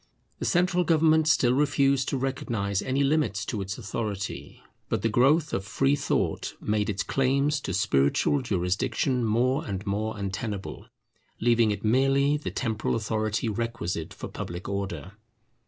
The central government still refused to recognize any limits to its authority; but the growth of free thought made its claims to spiritual jurisdiction more and more untenable, leaving it merely the temporal authority requisite for public order.